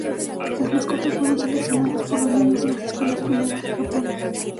Las mascotas fueron seleccionados por los niños de las escuelas primarias de Japón.